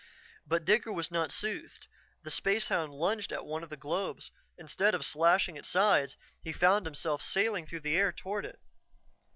But Digger was not soothed. The spacehound lunged at one of the globes; instead of slashing its sides, he found himself sailing through the air toward it.